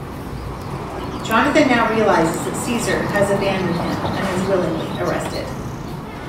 Jonathan now realizes that Caesar has abandoned him, and is willingly arrested.